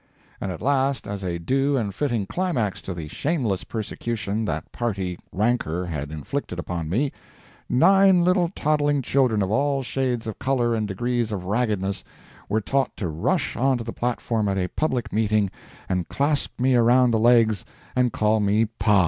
And at last, as a due and fitting climax to the shameless persecution that party rancor had inflicted upon me, nine little toddling children of all shades of color and degrees of raggedness were taught to rush on to the platform at a public meeting and clasp me around the legs and call me PA!